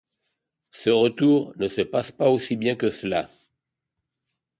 Ce retour ne se passe pas aussi bien que cela.